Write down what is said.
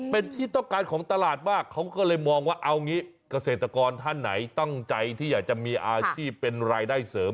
เป็นที่ต้องการของตลาดมากเขาก็เลยมองว่าเอางี้เกษตรกรท่านไหนตั้งใจที่อยากจะมีอาชีพเป็นรายได้เสริม